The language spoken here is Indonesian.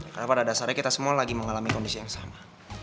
karena pada dasarnya kita semua lagi mengalami kondisi yang sama